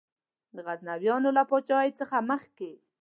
د غزنویانو له پاچهۍ څخه مخکي.